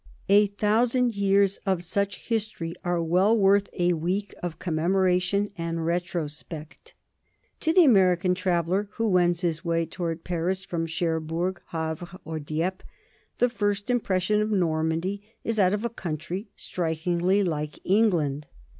A thousand years of such history are well worth a week of commemoration and retrospect. NORMANDY IN HISTORY 5 To the American traveller who wends his way toward Paris from Cherbourg, Havre, or Dieppe, the first im pression of Normandy is that of a country strikingly like England.